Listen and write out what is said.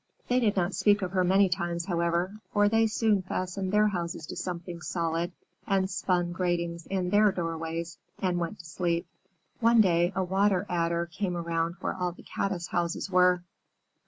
They did not speak of her many times, however, for they soon fastened their houses to something solid, and spun gratings in their doorways and went to sleep. One day a Water Adder came around where all the Caddis houses were.